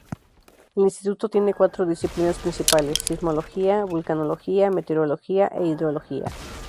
El instituto tiene cuatro disciplinas principales: Sismología, Vulcanología, Meteorología e Hidrología.